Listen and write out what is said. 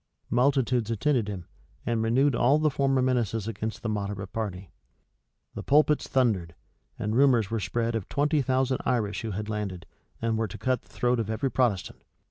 Multitudes attended him, and renewed all the former menaces against the moderate party.[*] The pulpits thundered; and rumors were spread of twenty thousand Irish who had landed, and were to cut the throat of every Protestant.